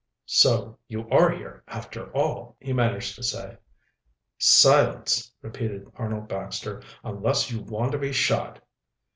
"So you are here, after all," he managed to say. "Silence!" repeated Arnold Baxter, "unless you want to be shot."